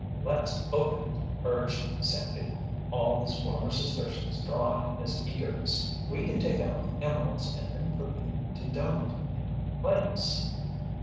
"Let's open it!" urged Sandy, all his former suspicions gone in his eagerness. "We can take out the emeralds and then put the empty doughnut in place."